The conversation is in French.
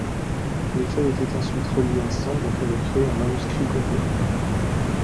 Les feuilles étaient ensuite reliées ensemble afin de créer un manuscrit complet.